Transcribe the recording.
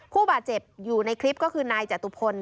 ผู้บาดเจ็บอยู่ในคลิปก็คือนายจตุพล